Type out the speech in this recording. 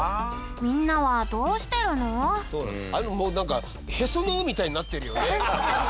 もうなんかへその緒みたいになってるよね。